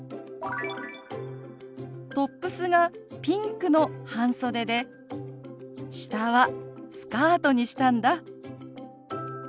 「トップスがピンクの半袖で下はスカートにしたんだ」。